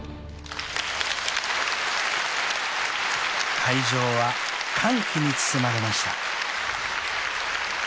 ［会場は歓喜に包まれました］